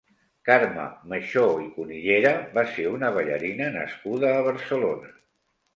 Carme Mechó i Cunillera va ser una ballarina nascuda a Barcelona.